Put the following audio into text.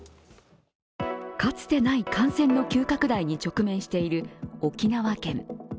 かつてない感染の急拡大に直面している沖縄県。